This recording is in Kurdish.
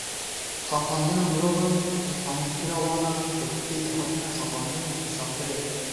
Xapandina mirovan ji qanihkirina wan a ku pê hatine xapandin, hêsantir e.